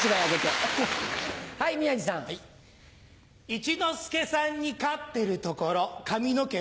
一之輔さんに勝ってるところ髪の毛